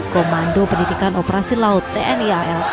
komando pendidikan operasi laut tni al